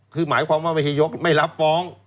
คือหมายความว่าไม่ใช่ยกไม่รับฟ้อง